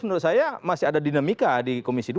menurut saya masih ada dinamika di komisi dua